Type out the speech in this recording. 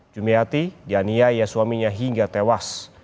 jumiati dianiaya suaminya hingga tewas